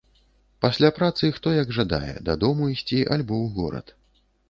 Пасля працы хто як жадае, дадому ісці альбо ў горад.